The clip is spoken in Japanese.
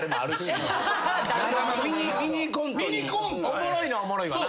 おもろいのはおもろいわな。